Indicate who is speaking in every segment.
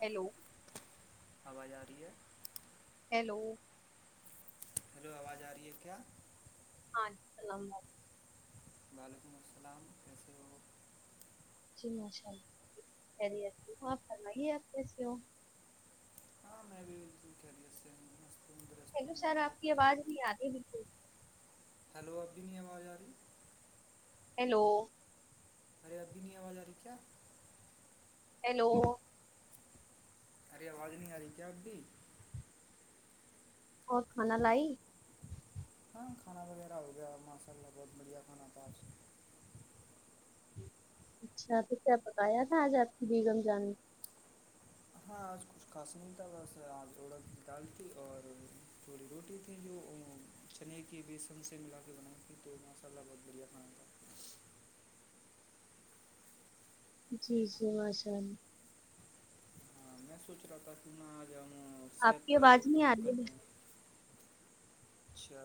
Speaker 1: hello
Speaker 2: آواز آ رہی ہے
Speaker 1: ہیلو
Speaker 2: ہیلو آواز آ رہی ہے کیا
Speaker 1: ہاں الام
Speaker 2: وعلیکم السلام کیسے ہو
Speaker 1: جی ماشاء اللہ خری آپ فرمائیے آپ کیسے ہو
Speaker 2: کیری سےندر
Speaker 1: ہیلو سر آپ کی آواز نہیں آ رہ ہے بالکل
Speaker 2: ہیلو ابھی نہیں آواز آ رہی
Speaker 1: ہیلو
Speaker 2: ارے ابھی نہیں آواز آ رہی کیا
Speaker 1: ہیلو
Speaker 2: ای آواز نہیں آاری کیای
Speaker 1: اور کھانا لائی
Speaker 2: ہاں کھانا وغیرہ ہو گیا ماشاء اللہ بہت بڑھیا کھانا تھا آپ سے
Speaker 1: اچھا تو کیا پکایا تھا آج آپ کی بیگم جانے
Speaker 2: ہاں آج کچھ خاسم تھا بس آج اوڑد دال تھی اور تھوڑی روٹی تھی جو چنے کی بی سب سے ملا کے بنائی تھی تو ماشاء اللہ بہت بڑھیا کھانا تھا
Speaker 1: جی جی ماشاءاللہ
Speaker 2: ہاں میں سوچ رہا تھا کہ میں آ جاؤ
Speaker 1: آپ کی آواز نہیں آ رہی ہے
Speaker 2: اچھا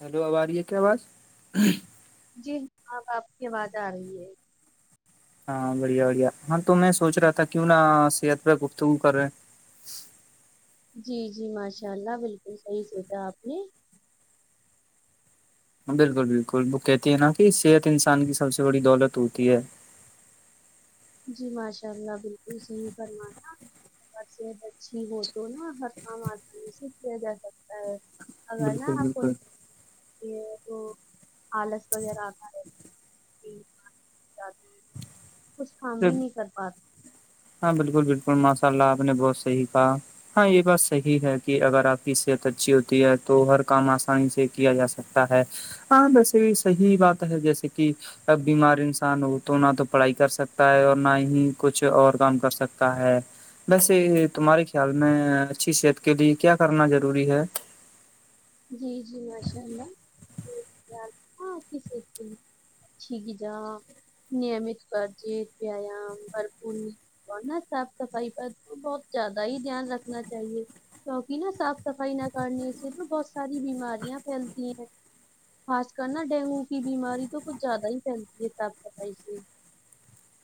Speaker 2: ہیلو اب آرہی ہے کیا آواز
Speaker 1: جی اب آپ کی آواز آ رہی ہے
Speaker 2: ہاں بڑھیا بڑھیا ہاں تو میں سوچ رہا تھا کیوں نہ صحت پہ گفتگو کرے
Speaker 1: جی جی ماشاء اللہ بلکل صحیح سوچا آپ نے
Speaker 2: بلکل بلکل وہ کہتے ہے نا کہ صحت انسان کی سب سے بڑی دولت ہوتی ہے
Speaker 1: جی ماشاء اللہ بلکل صحیح فرمایا صحت اچھی ہو تو نا ہر کام آسانی سے کیا جا سکتا ہے اگر نا
Speaker 2: بالکل
Speaker 1: آپ کو
Speaker 2: بالکل
Speaker 1: یہ تو آلس وغیرہ آتا رہے کام بھی نہیں کر پاتے
Speaker 2: ہاں بلکل بلکل ماشاء اللہ آپ نے بہت صحیح کہا ہاں یہ بات صحیح ہے کہ اگر آپ کی صحت اچھی ہوتی ہے تو ہر کام آسانی سے کیا جا سکتا تا ہے ہاں ویسے بھی صحیح بات ہے جیسے کہ بیمار انسان ہو تو نہ تو پڑھائی کر سکتے سکتا ہے اور نا ہی کچھ اور کام کر سکتا ہے ویسے تمہارے خیال میں اچھی صحت کے لیے کیا کرنا ضروری ہے
Speaker 1: جی جی ماشاء اللہ اچھی غذا نعمت پر تو نا صاف صفائی پر تو بہت زیادہ ہی دھیان رکھنا چاہیے کیونکہ نا صاف صفائی نہ کرنے سے تو بہت ساری بیماریاں پھیلتی ہیں خاص کر نا ڈینگو کی بیماری تو کچھ زیادہ ہی پھیلتی ہے صاف سفائی سے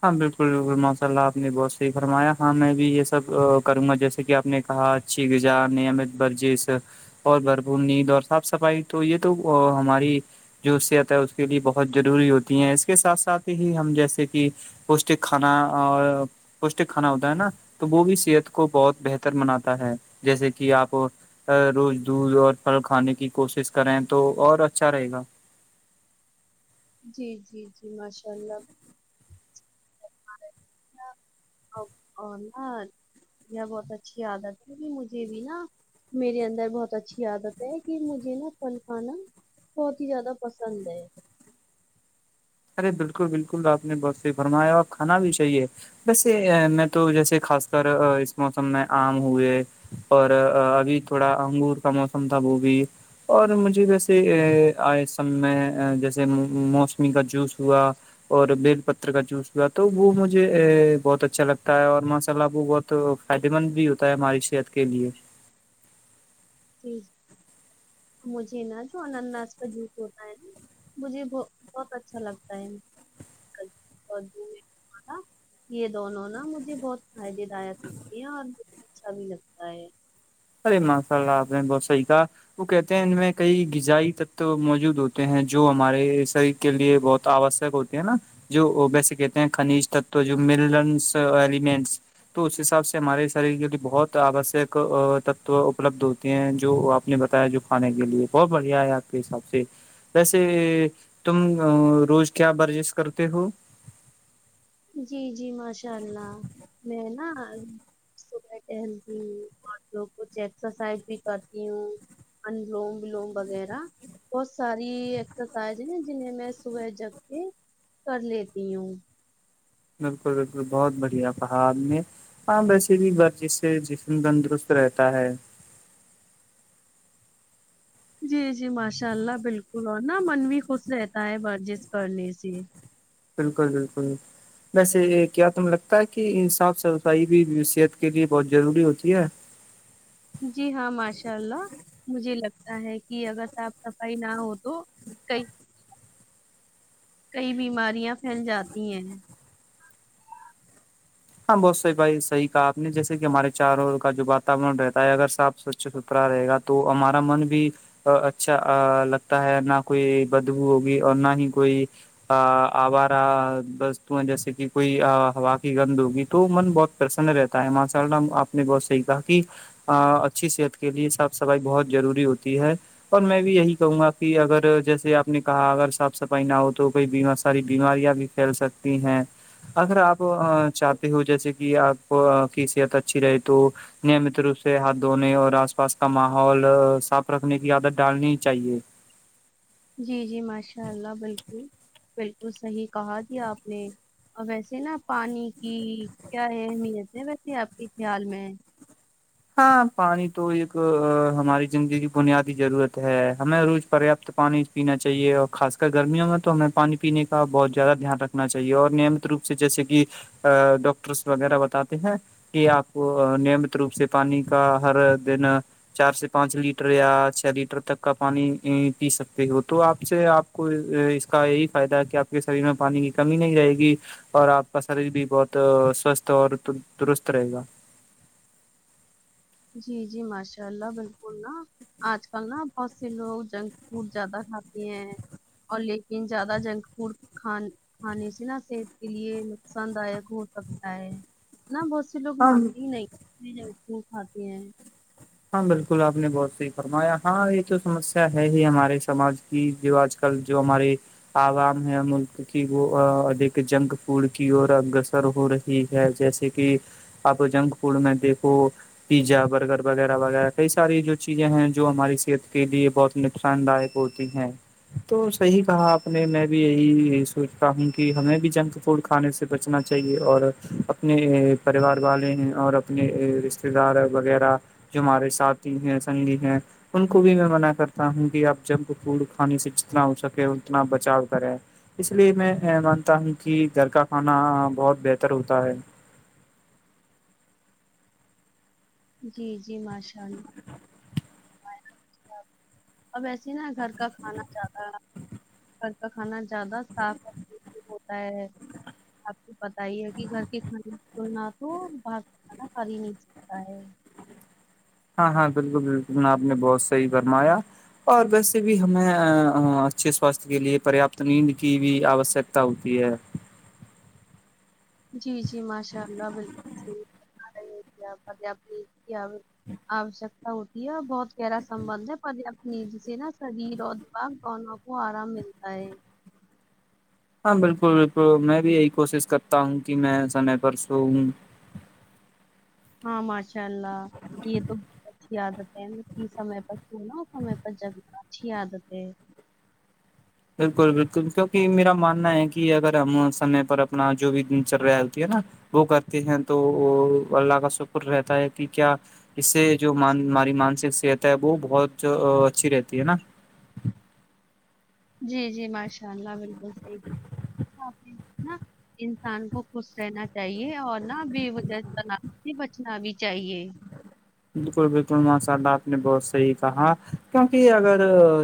Speaker 2: ہاں بلکل بلکل ماشاء اللہ آپ نے بہت صحیح فرمایا ہاں میں بھی یہ سب کروں گا جیسے کہ آپ نے کہا [unintelligible] اور بھرپور نیند اور صاف صفائی تو یہ تو ہماری جو صحت اس کے لیے بہت ضروری ہوتی ہیں اس کے ساتھ ساتھ ہی ہم جیسے کہ پوشٹک کھانا اور پوشٹک کھانا ہوتا ہے نا تو وہ بھی صحت کو بہت بہتر بناتا ہے جیسے کہ آپ روز دودھ اور پھل کھانے کی کوشش کریں تو اور اچھا رہے گا
Speaker 1: جی جی جی ماشاء اللہ [inaudible] یہ بہت اچھی عادت ہے مجھے بھی نا میرے اندر بہت اچھی عادت ہے کہ مجھے نا پھل کھانا بہت ہی زیادہ پسند ہے
Speaker 2: ارے بلکل بلکل آپ نے بہت صحیح فرمایا اور کھانا بھی چاہیے ویسے میں تو جیسے خاص کر اس موسم میں آم ہوئے اور ابھی تھوڑا انگور کا موسم تھا وہ بھی اور مجھے ویسے آئے سم میں جیسے موسمی کا جوس ہوا اور بیل پتر کا جوس ہوا تو وہ مجھے بہت اچھا لگتا ہے اور ماشاءاللہ وہ بہت تو فائدے مند بھی ہوتا ہے ہماری صحت کے لیے
Speaker 1: جی مجھے نا جو اننناس کا جوس ہوتا ہے نا مجھے بہت اچھا لگتا ہے یہ دونوں نا مجھے بہت فائدے لایک لگتے ہیں اور بہت اچھا بھی لگتا ہے
Speaker 2: ارے ماشاءاللہ بہن بہت صحیح کہا وہ کہتے ہیں ان میں کئی غذائی تتو موجود ہوتے ہیں جو ہمارے صحت کے لیے بہت آوس ہوتی ہے نا جو وہ ویسے کہتے ہیں خج تتو جو ملنس ایلیمنٹس تو اس حساب سے ہمارے شریر کے لیے بہت آوشک تت اپلبد ہوتے ہیں جو آپ نے بتایا جو کھانے کے لیے بہت بڑھیا ہے آپ کے حساب سے ویسے تم روز کیا ورزش کرتے ہو
Speaker 1: جی جی ماشاء اللہ میں نا صبح ٹہلتی ہوں اور لگ کچھ ایکسرسائز بھی کرتی ہوں انلوم ولوم وغیرہ بہت ساری ایکسرسائز ہیں جنہیں میں صبح جگ کے کر لیتی ہوں
Speaker 2: بالکل بالکل بہت بڑھیا کہا آپ نے ہاں ویسے بھی ور جش سے جسم تندرست رہتا ہے
Speaker 1: جی جی ماشاء اللہ بالکل اور نا من بھی خوش رہتا ہے ورزش کرنے سے
Speaker 2: بالکل بالکل ویسے کیا تمہیں لگتا ہے کہ صاف صفائی بھی صحت کے لیے بہت ضروری ہوتی ہے
Speaker 1: جی ہاں ماشاء اللہ مجھے لگتا ہے کہ اگر تپ صفائی نہ ہو تو کئی کئی بیماریاں پھیل جاتی ہیں
Speaker 2: ہاں بہت صحی بھائی صح کہ آپ نے جیسے کہ ہمارے چاروں کا جو واتاورن رہتا ہے اگر صاف ستھرا رہے گا تو ہمارا من بھی اچھا لگتا ہے نہ کوئی بدبو ہوگی اور نہ ہی کوئی آبارہ وستویں جیسے کہ کوئی ہوا کی گند تو من بہت پرسن رہتا ہے ماشاء اللہ آپ نے بہت صحیح کہا کہ اچھی صحت کے لیے صاف صفائی بہت ضروری ہوتی ہے اور میں بھی یہی کہوں گا کہ اگر جیسے آپ نے کہا اگر صاف صفائی نہ ہو تو کوئی ساری بیماریاں بھی کھیل سکتی ہیں اگر آپ چاہ ہو جیسے کہ آپ کی صحت اچھی رہے تو نیمت روپ سے ہاتھ دھونے اور آس پاس کا ماحول صاف رکھنے کی عادت ڈالنی چاہیے
Speaker 1: جی جی ماشاء اللہ بالکل بالکل صحیح کہا دیا آپ نے اور ویسے نا پانی کی کیا اہمیت ہے ویسے آپ کے خیال میں ہے
Speaker 2: ہاں پانی تو ایک ہماری زندگی کی بنیادی ضرورت ہے ہمیں روز پریاپت پانی پینا چاہیے اور خاص کر گرمیوں میں تو ہمیں پانی پینے کا بہت زیادہ دھیان رکھنا چاہیے اور نیمت روپ جیسے کہ ڈاکٹرس وغیرہ بتاتے ہیں کہ آپ کو نعمت روپ سے پانی کا ہر دن چار سے پانچ لیٹر یا چھ لیٹر تک کا پانی پی سکتے ہو تو آپ سے آپ کو اس کا یہی فائدہ ہے کہ آپ کے شریر میں پانی کی کمی نہیں رہے گی اور آپ کا شریر بھی بہت سوستھ اور درست رہے گا
Speaker 1: جی جی ماشاء اللہ بالکل نا آج کل نا بہت سے لوگ جنک فوڈ زیادہ کھاتے ہیں اور لیکن زیادہ جنک فوڈ کھان کھانے سے نا صحت کے لیے نقصان دایک ہو سکتا ہے نا بہت لوگ
Speaker 2: ہم
Speaker 1: مانتے ہی نہیں کھاتے ہیں
Speaker 2: ہاں بالکل آپ نے بہت صحیح فرمایا ہاں یہ تو سمسیا ہے ہی ہمارے سماج کہ جو آج کل جو ہمارے عوام ہے ملک کی وہیک جنک فوڈ کی اور اگگرسر ہو رہی ٹھیک ہے جیسے کہ اب جنک فوڈ میں دیکھو پیزا برگر وغیرہ وغیرہ کئی ساری جو چیزیں ہیں جو ہماری صحت کے لیے بہت نقصان داک ہوتی ہیں تو صحیح کہا آپ نے میں بھی یہی سوچتا ہوں کہ ہمیں بھی جنک فوڈ کھانے سے بچنا چاہیے اور اپنے پریوار والے ہیں اور اپنے رشتے رشتتے دار وغیرہ جو ہمارے ساتھی ہیں سنگھی ہیں ان کو بھی میں منع کرتا ہوں کہ آپ جب فوڈ کھانے سے جتنا ہو سکے اتنا بچاؤ کرے اس لیے میں مانتا ہوں کہ گھر کا کھانا بہت بہتر ہوتا ہے
Speaker 1: جی جی ماشاء اللہ اب ایسے نا گھر کا کھانا جاہا ہے گھر کا کھانا زیادہ صاف اور ٹیٹی ہوتا ہے آپ کو پتا ہی ہے کہ گھر کے کھانے تو نہ تو باہر سے کھانا کھ ہی نہیں سکتا ہے
Speaker 2: ہاں ہاں بالکل بالکل میں آپ نے بہت صحیح فرمایا اور ویسے بھی ہمیں اچھے سواستھ کے لیے پریاپت نیند کی بھی آوشکتا ہوتی ہے
Speaker 1: جی جی ماشاء اللہ بالکل رہی آوشکتا ہوتی ہے اور بہت گہرا سبند ہے پرپت ن ج سے نا شریر اور دماغ دونوں وہ آرام ملتا ہے
Speaker 2: ہاں بالکل بالکل میں بھی یہی کوشش کرتا ہوں کہ میں سمے پر سووں
Speaker 1: ہاں ماشاء اللہ یہ تو بہت اچھی عادت ہے سمے پر سوناا سمے پر جگنا اچھی عادت ہے
Speaker 2: بالکل بالکل کیونکہ میرا ماننا ہے کہ اگر ہم سمے پر اپنا جو بھی دن چل رہا ہےتی ہے نا وہ کرتے ہیں تو وہ اللہ کا شکر رہتا ہے کہ کیا اس سے جو ہماری مانسک صحت ہے وہ بہت اچھی رہتی ہے نا
Speaker 1: جی جی ماشاء اللہ بالکل صحیح انسان کو خوش رہنا چاہیے اور نہ ب وہ جی سے بچنا بھی چاہیے
Speaker 2: بالکل بالکل ماشاء اللہ آپ نے بہت صحیح کہا کیکہ اگر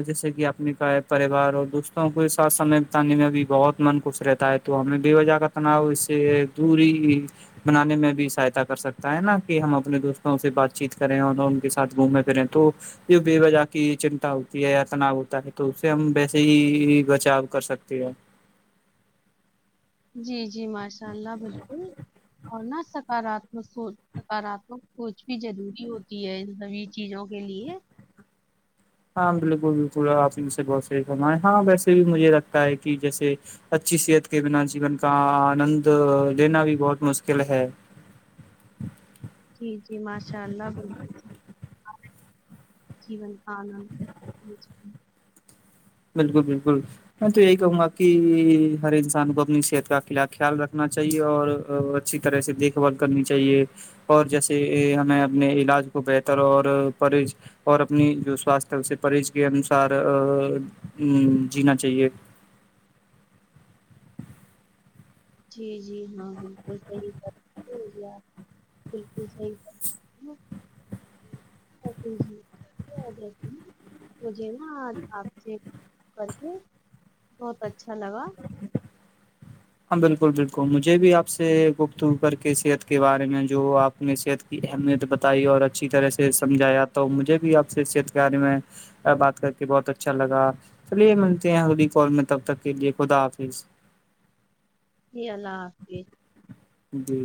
Speaker 2: جیسے کہ آپ نے کہ پریوار اور دوستوں کے ساتھ سمے بتانے میں بھی بہت من خوش رہتا ہے تو ہمیں بے وجہ کا اپناؤ اس سے دوری بنانے میں بھی سہایتا کر سکتا ہے نا کہ ہم اپنے دوستوں سے بات ات چیت کریں اور ان کے ساتھ گھومیں پھریں تو جو بے وجہ کی چنتا ہوتی ہے یا تناؤ ہوتا ہے تو اس سے ہم ویسے ہی بچاؤ کر سکتے ہیں
Speaker 1: جی جی ماشاء اللہ بالکل ہونا سک سکاراتمک سوچ سکاراتمک سوچ بھی ضروری ہوتی ہے ان سبھی چیزوں کے لیے
Speaker 2: ہاں بالکل بالکل آپ ہی م سے بہت صحیح فمائیں ہاں ویسے بھی مجھے لگتا ہے کہ جیسے اچھی صحت کے بنا جیون کا آنند لینا بھی بہت مشکل ہے
Speaker 1: جی جی ماشاء اللہ بالکل جین کاان
Speaker 2: بالکل بالکل میں تو یہی کہوں گا کہ ہر انسان کو اپنی صحت کا خلا خیال رکھنا چاہیے اور اچھی طرح سے دیکھ بھال کرنی چاہیے اور جیسے ہمیں اپنے علاج کو بہتر اورز اور اپنی جو سوستھ ہے اسے پرہیز کے انسار جینا چاہیے
Speaker 1: جی جی ہاں بالکل صحیح بالکل صحی جی مجھے نا آپ سے ے بہت اچھا لگا
Speaker 2: ہاں بالکل بالکل مجھے بھی آپ سے گپتگ کر کے صحت کے بارے میں جو آپ اپ نے صحت کی اہمیت بتائی اور اچھی طرح سے سمجھایا تو مجھے بھی آپ سے صحت کے بارے میں بات کر کے بہت اچھا لگا چلیے یہ ملتے ہیں ہودی کال میں تب تک کے لیے خدا حافظ
Speaker 1: جی اللہ حافظ
Speaker 2: جی